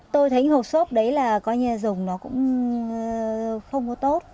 tôi thấy hộp xốp đấy là dùng nó cũng không có tốt